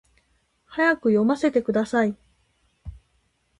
早く読ませてください